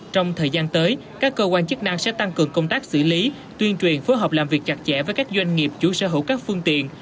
trong thời gian tới các cơ quan chức năng sẽ tăng cường công tác xử lý tuyên truyền phối hợp làm việc chặt chẽ với các doanh nghiệp chủ sở hữu các phương tiện